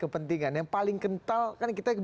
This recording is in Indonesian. kepentingan yang paling kental kan kita